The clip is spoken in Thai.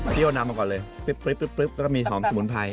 ที่เรานำมาก่อนเลยปริ๊บแล้วก็มีหอมสมุนไพร